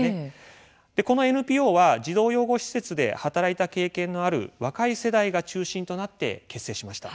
このＮＰＯは児童養護施設で働いた経験のある若い世代が中心となって結成しました。